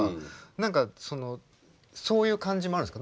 何かそういう感じもあるんですか？